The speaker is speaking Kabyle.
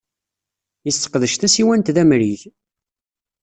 Yesseqdec tasiwant d amrig.